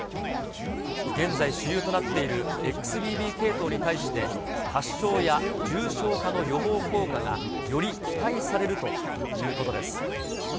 現在、主流となっているＸＢＢ系統に対して、発症や重症化の予防効果がより期待されるということです。